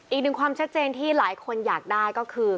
อีกหนึ่งความชัดเจนที่หลายคนอยากได้ก็คือ